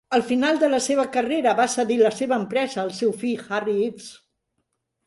Al final de la seva carrera, va cedir la seva empresa al seu fill, Harry Ives.